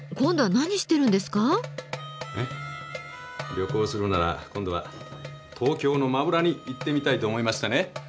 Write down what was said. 旅行するなら今度は東京の真裏に行ってみたいと思いましてね。